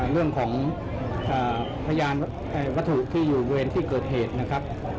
เรื่องของพยานวัตถุที่อยู่บริเวณที่เกิดเหตุนะครับ